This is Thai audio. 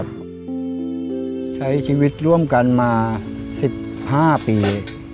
ใช้ชีวิตร่วมกันมา๑๕ปี